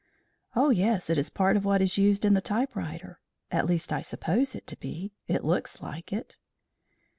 "O, yes, it is part of what is used in the typewriter. At least I suppose it to be. It looks like it."